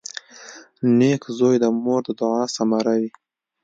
• نېک زوی د مور د دعا ثمره وي.